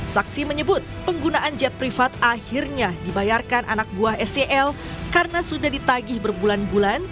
saksi menyebut penggunaan jet privat akhirnya dibayarkan anak buah sel karena sudah ditagih berbulan bulan